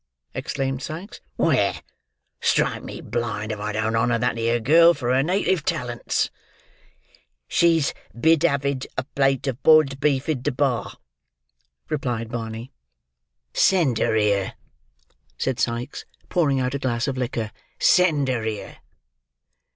exclaimed Sikes. "Where? Strike me blind, if I don't honour that 'ere girl, for her native talents." "She's bid havid a plate of boiled beef id the bar," replied Barney. "Send her here," said Sikes, pouring out a glass of liquor. "Send her here."